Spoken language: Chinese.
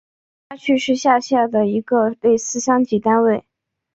开发区是下辖的一个类似乡级单位。